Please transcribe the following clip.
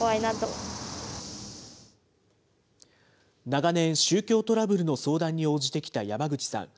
長年、宗教トラブルの相談に応じてきた山口さん。